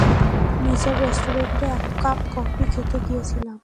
নিচের রেস্টুরেন্টে এক কাপ কফি খেতে গিয়েছিলাম।